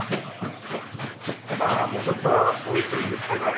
まあもうちょっと多いといいですけどね。